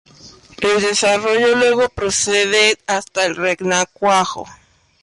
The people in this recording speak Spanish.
El desarrollo luego procede hasta el renacuajo.